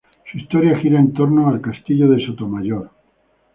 Su historia gira en torno al castillo de Sotomayor.